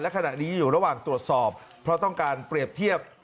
ขณะนี้อยู่ระหว่างตรวจสอบเพราะต้องการเปรียบเทียบ